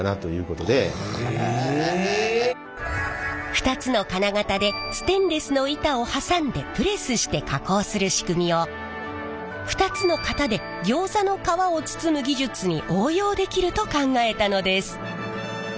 ２つの金型でステンレスの板を挟んでプレスして加工する仕組みを２つの型でギョーザの皮を包む技術に応用できると考えたのです。